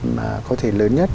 mà có thể lớn nhất